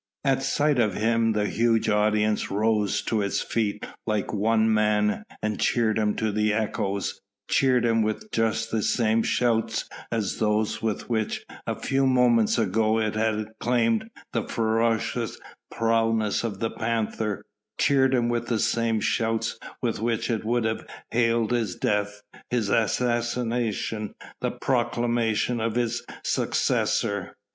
At sight of him the huge audience rose to its feet like one man and cheered him to the echoes, cheered him with just the same shouts as those with which, a few moments ago, it had acclaimed the ferocious prowess of the panther, cheered him with the same shouts with which it would have hailed his death, his assassination, the proclamation of his successor.